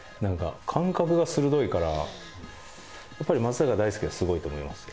感覚が鋭いからやっぱり松坂大輔はすごいと思いますよ。